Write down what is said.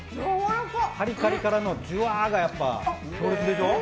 カリカリからのジュワーが強烈でしょ？